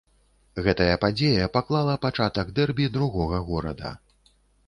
Гэтая падзея паклала пачатак дэрбі другога горада.